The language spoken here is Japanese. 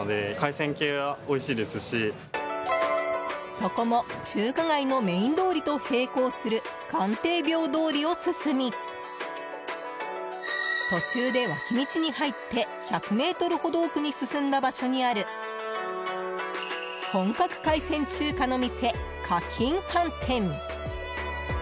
そこも、中華街のメイン通りと並行する関帝廟通りを進み途中で脇道に入って１００ｍほど奥に進んだ場所にある本格海鮮中華の店、華錦飯店。